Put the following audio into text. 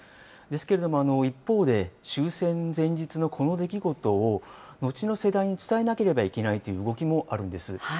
ですけれども、一方で、終戦前日のこの出来事を、後の世代に伝えなければいけないという動きもあるんです。